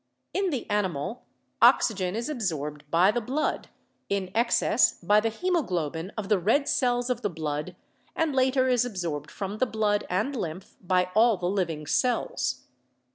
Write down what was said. In the animal oxygen is ab sorbed by the blood, in excess by the hemoglobin of the red cells of the blood and later is absorbed from the blood and lymph by all the living cells.